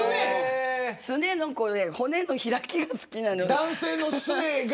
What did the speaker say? すねの骨の開きが好きなの。